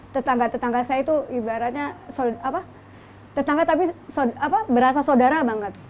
tetangga tetangga saya itu ibaratnya tetangga tapi berasa saudara banget